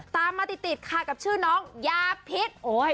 ตามมาติดค่ะกับชื่อน้องยาพิษ